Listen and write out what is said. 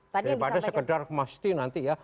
daripada sekedar mesti nanti ya